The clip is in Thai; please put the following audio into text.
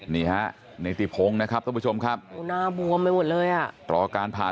นี่ฮะเนติพงศ์นะครับท่านผู้ชมครับหน้าบวมไปหมดเลยอ่ะรอการผ่า